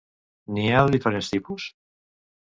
N'hi ha de diferents tipus?